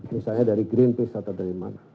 misalnya dari greenpeace atau dari mana